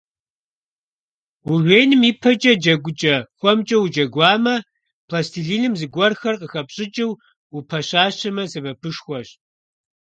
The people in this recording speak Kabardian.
Ужеиным ипэкӀэ джэгукӀэ хуэмкӀэ уджэгуамэ, пластелиным зыгуэрхэр къыхэпщӀыкӀыу упэщэщамэ, сэбэпышхуэщ.